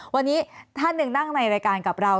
วันนี้ท่านหนึ่งนั่งในรายการกับเรา